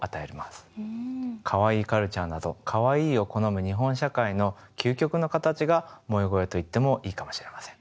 Ｋａｗａｉｉカルチャーなどかわいいを好む日本社会の究極の形が萌え声と言ってもいいかもしれません。